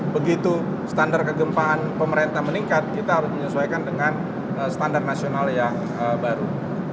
begitu standar kegempaan pemerintah meningkat kita harus menyesuaikan dengan standar nasional yang baru